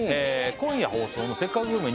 今夜放送の「せっかくグルメ！！」